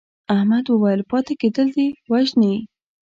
احمد وویل پاتې کېدل دې وژني.